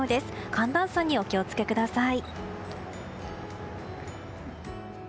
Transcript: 寒暖差にお気をつけください。